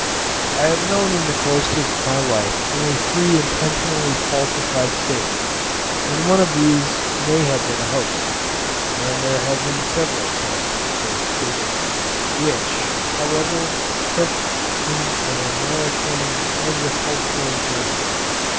I have known in the course of my life only three intentionally falsified statements, and one of these may have been a hoax (and there have been several scientific hoaxes) which, however, took in an American Agricultural Journal.